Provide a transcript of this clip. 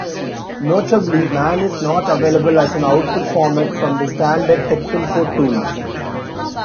Notably, man is not available as an output format from the standard Texinfo tools.